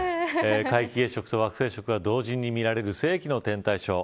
皆既月食と惑星食が同時に見られる世紀の天体ショー。